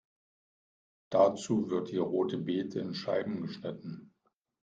Dazu wird die rote Bete in Scheiben geschnitten.